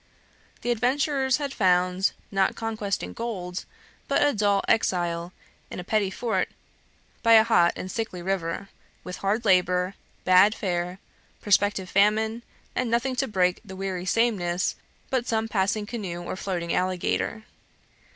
The adventurers had found, not conquest and gold, but a dull exile in a petty fort by a hot and sickly river, with hard labor, bad fare, prospective famine, and nothing to break the weary sameness but some passing canoe or floating alligator.